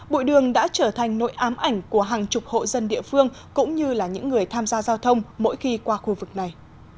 bụi đường đã trở thành nội ám ảnh của hàng chục hộ dân địa phương cũng như là những người tham gia giao thông mỗi khi qua khu vực này